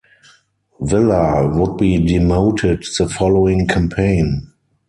Villa would be demoted the following campaign.